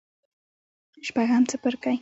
شپږم څپرکی